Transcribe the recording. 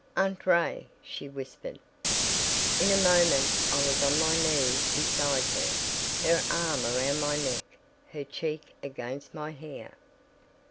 "Aunt Ray!" she whispered. In a moment I was on my knees beside her, her arm around my neck, her cheek against my hair.